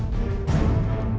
sia bai du